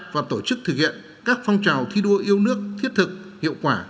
và tổ chức thực hiện các phong trào thi đua yêu nước thiết thực hiệu quả